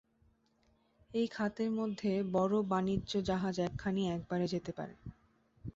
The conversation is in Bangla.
এই খাতের মধ্যে বড় বাণিজ্য-জাহাজ একখানি একবারে যেতে পারে।